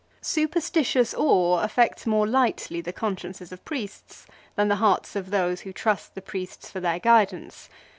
Superstitious awe affects more lightly the consciences of priests than the hearts of those who trust the priests for their guidance.